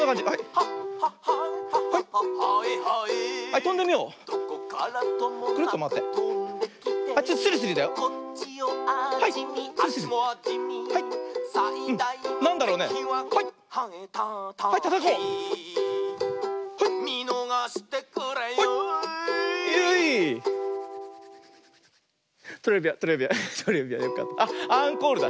あっアンコールだ。